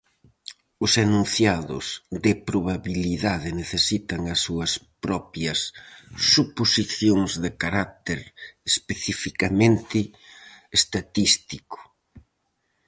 Os enunciados de probabilidade necesitan as súas propias suposicións de carácter especificamente estatístico.